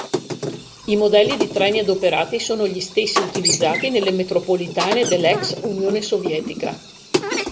I modelli di treni adoperati sono gli stessi utilizzati nelle metropolitane dell'ex Unione Sovietica.